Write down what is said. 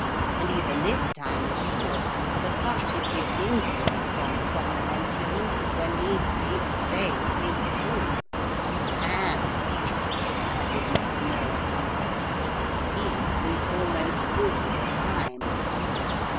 And even this time is short, for such is his influence on the Somnolentians that when he sleeps they sleep too, and,' added Mr. Noah impressively, 'he sleeps almost all the time.